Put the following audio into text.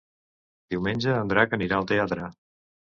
Diumenge en Drac anirà al teatre.